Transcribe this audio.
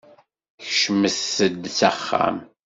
Kecmet-d s axxam!